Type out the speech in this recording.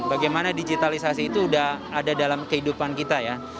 bagaimana digitalisasi itu sudah ada dalam kehidupan kita ya